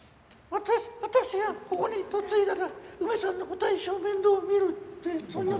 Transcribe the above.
「私私がここに嫁いだら梅さんの事は一生面倒見る」ってそんな。